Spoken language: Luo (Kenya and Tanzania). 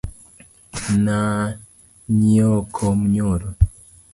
Na nyiewo kom nyoro